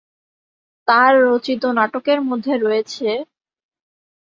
তার রচিত নাটকের মধ্যে রয়েছেঃ